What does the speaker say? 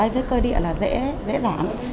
với cơ địa dễ giảm